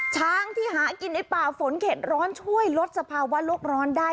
ช้างที่หากินในป่าฝนเข็ดร้อนช่วยลดสภาวะโลกร้อนได้